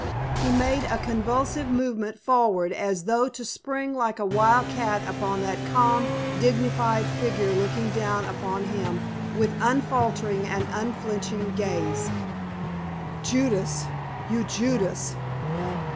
He made a convulsive movement forward as though to spring like a wild cat upon that calm, dignified figure looking down upon him with unfaltering and unflinching gaze. "Judas! you, Judas!